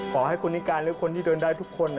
ขอให้คนนิการหรือคนที่เดินได้ทุกคน